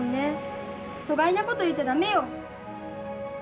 そがいなこと言うちゃ駄目よ！